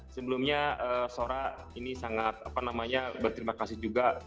sebelumnya sora ini sangat berterima kasih juga